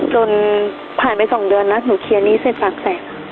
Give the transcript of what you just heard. จนผ่านไปสองเดือนนะหนูเคียนนี้เสร็จฝั่งแสด่